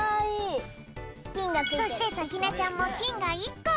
そしてさきねちゃんもきんが１こ。